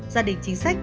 gia đình chính sách